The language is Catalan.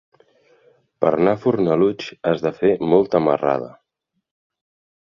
Per anar a Fornalutx has de fer molta marrada.